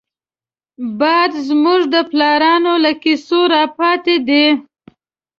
باد زمونږ د پلارانو له کيسو راپاتې دی